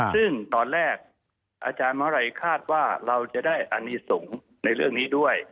ซึ่งตอนแรกอาจารย์มหาลัยคาดว่าเราจะได้อนิสงฆ์ในเรื่องนี้ด้วย